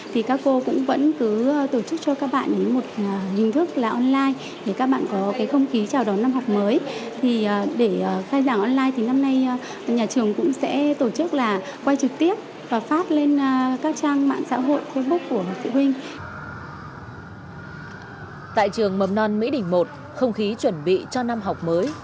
thì các cô cũng vẫn tổ chức cho các bạn một hình thức online để các bạn có không khí chào đón năm học mới